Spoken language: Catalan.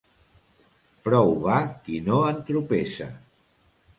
Prou va qui no entropessa.